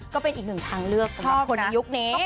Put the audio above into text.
ก็เป็นอีกหนึ่งทางเลือกสำหรับคนในยุคนี้